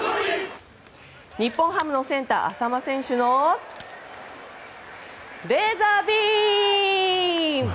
日本ハムのセンター淺間選手のレーザービーム！